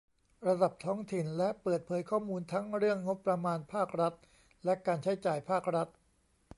ระดับท้องถิ่น และเปิดเผยข้อมูลทั้งเรื่องงบประมาณภาครัฐ และ การใช้จ่ายภาครัฐ